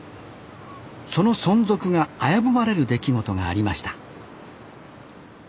その存続が危ぶまれる出来事がありました